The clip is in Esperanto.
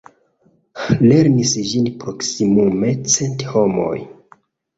Lernis ĝin proksimume cent homoj.